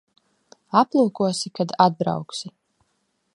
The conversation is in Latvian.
Aplūkosi, kad atbrauksi.